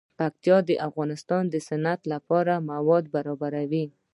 پکتیکا د افغانستان د صنعت لپاره مواد برابروي.